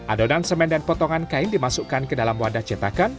adonan semen dan potongan kain dimasukkan ke dalam wadah cetakan